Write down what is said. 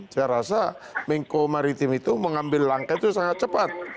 saya rasa mengko maritim itu mengambil langkah itu sangat cepat